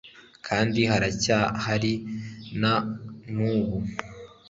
kandi aracyahari na n'ubu